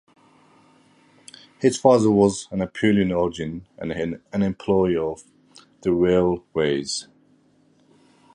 His father was of Apulian origin and an employee of the railways.